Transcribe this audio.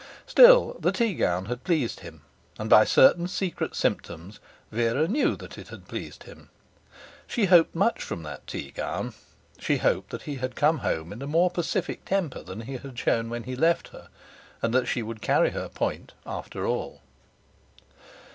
Still, the teagown had pleased him, and by certain secret symptoms Vera knew that it had pleased him. She hoped much from that teagown. She hoped that he had come home in a more pacific temper than he had shown when he left her, and that she would carry her point after all.